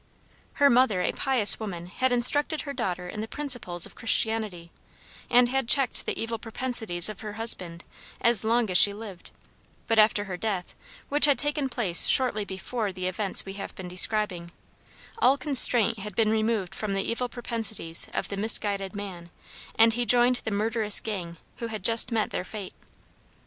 Her mother, a pious woman, had instructed her daughter in the principles of Christianity, and had checked the evil propensities of her husband as long as she lived, but after her death, which had taken place shortly before the events we have been describing, all constraint had been removed from the evil propensities of the misguided man, and he joined the murderous gang who had just met their fate.